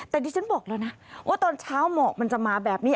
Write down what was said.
แต่ดิฉันบอกแล้วนะว่าตอนเช้าหมอกมันจะมาแบบนี้